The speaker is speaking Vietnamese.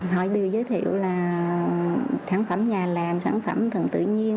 hỏi điều giới thiệu là sản phẩm nhà làm sản phẩm thần tự nhiên